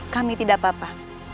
kami tidak apa apa